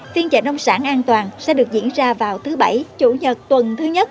phiên trợ nông sản an toàn sẽ được diễn ra vào thứ bảy chủ nhật